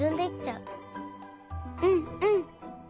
うんうん。